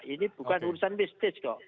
ini bukan urusan mistis kok